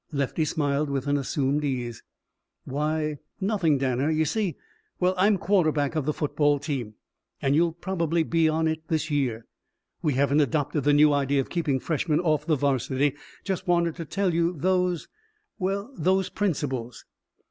Lefty smiled with an assumed ease. "Why nothing, Danner. You see well I'm quarterback of the football team. And you'll probably be on it this year we haven't adopted the new idea of keeping freshmen off the varsity. Just wanted to tell you those well those principles."